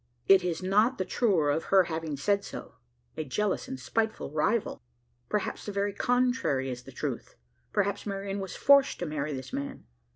It is not the truer of her having said so. A jealous and spiteful rival. Perhaps the very contrary is the truth? Perhaps Marian was forced to marry this, man?